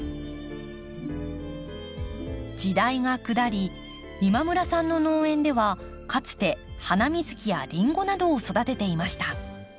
時代が下り今村さんの農園ではかつてハナミズキやリンゴなどを育てていました。